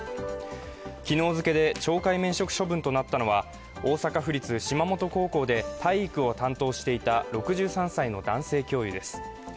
昨日付で懲戒免職処分となったのは大阪府立島本高校で体育を担当していた６３歳の男性教諭です。